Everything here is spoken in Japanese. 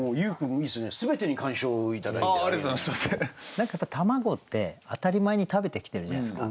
何か卵って当たり前に食べてきてるじゃないですか。